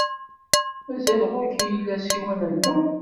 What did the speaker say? Mazal ɣur-k i yella ssiwan n Tom?